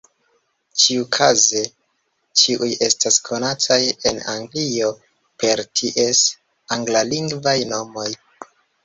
Ĉiukaze ĉiuj estas konataj en Anglio per ties anglalingvaj nomoj.